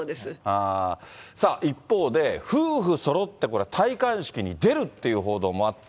さあ、一方で、夫婦そろって戴冠式に出るっていう報道もあって。